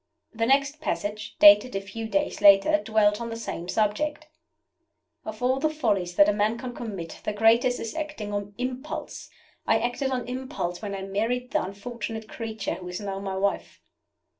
The next passage, dated a few days later, dwelt on the same subject. "Of all the follies that a man can commit, the greatest is acting on impulse. I acted on impulse when I married the unfortunate creature who is now my wife.